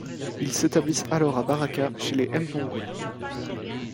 Ils s'établissent alors à Baraka chez les Mpongwe.